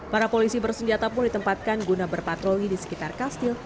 para polisi bersenjata pun ditempatkan guna berpatroli di sekitar kastil